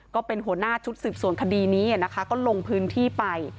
ก็เป็นหัวหน้าชุดสืบสวนคดีนี้นะคะก็ลงพื้นที่ไป